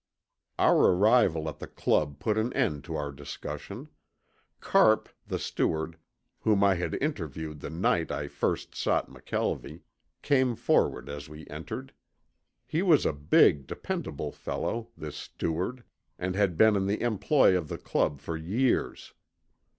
Our arrival at the Club put an end to our discussion. Carpe, the steward, whom I had interviewed the night I first sought McKelvie, came forward as we entered. He was a big, dependable fellow, this steward, and had been in the employ of the Club for years.